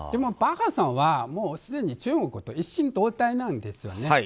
バッハさんはすでに中国と一心同体なんですよね。